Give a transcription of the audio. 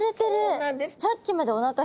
そうなんですよ。